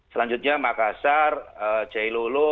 selanjutnya makassar jailulu